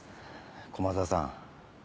駒沢さん。